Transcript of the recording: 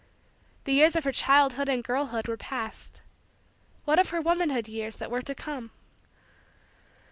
The years of her childhood and girlhood were past. What of her womanhood years that were to come?